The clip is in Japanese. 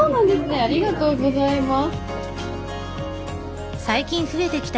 ありがとうございます。